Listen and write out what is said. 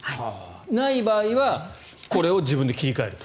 ない場合はこれを自分で切り替えると。